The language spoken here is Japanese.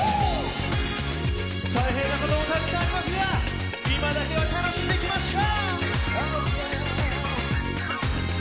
大変なこともたくさんありますが、今だけは楽しんでいきましょう。